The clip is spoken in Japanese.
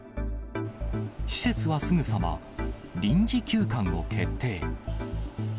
施設はすぐさま、臨時休館を決定。